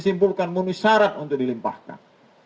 simpulkan muni syarat untuk dilimpahkan